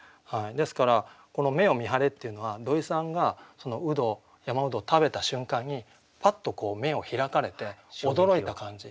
ですからこの「目を見張れ」っていうのは土井さんが独活山独活を食べた瞬間にパッと目を開かれて驚いた感じ。